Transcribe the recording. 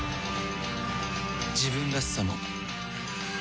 自分らしさも